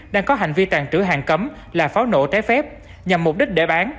đang có hành vi tàn trữ hàng cấm là pháo nổ trái phép nhằm mục đích để bán